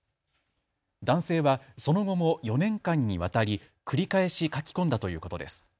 男性は、その後も４年間にわたり繰り返し書き込んだということです。